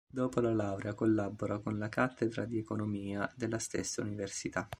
Dopo la laurea collabora con la cattedra di economia della stessa università.